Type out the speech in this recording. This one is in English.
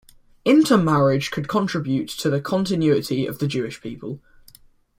Intermarriage could contribute to the continuity of the Jewish people.